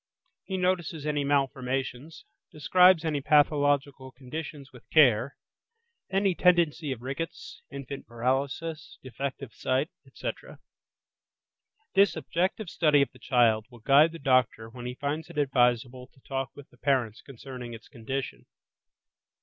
He notices any malformations; describes any pathological conditions with care (any tendency of rickets, infant paralysis, defective sight, etc.). This objective study of the child will guide the doctor when he finds it advisable to talk with the parents concerning its condition.